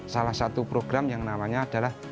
salah satu program yang namanya adalah